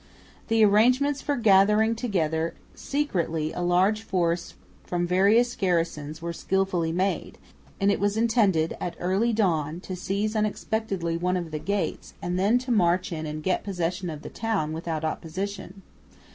The arrangements for gathering together secretly a large force from various garrisons were skilfully made, and it was intended at early dawn to seize unexpectedly one of the gates, and then to march in and get possession of the town without opposition.